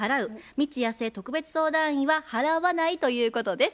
未知やすえ特別相談員は「払わない」ということです。